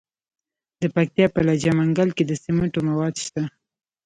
د پکتیا په لجه منګل کې د سمنټو مواد شته.